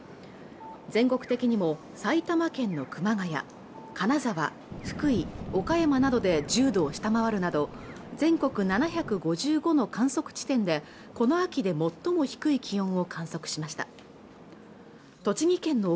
全国的にも埼玉県の熊谷金沢、福井、岡山などで１０度を下回るなど全国７５５の観測地点でこの秋で最も低い気温を観測しました栃木県の奥